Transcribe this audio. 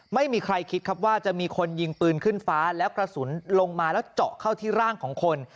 ไม่มีใครคิดครับว่าจะมีคนยิงปืนขึ้นฟ้าแล้วกระสุนลงมาแล้วเจาะเข้าที่ร่างของคน